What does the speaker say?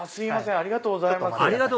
ありがとうございます